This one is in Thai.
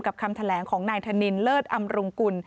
คำแถลงของนายธนินเลิศอำรุงกุล